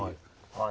はい。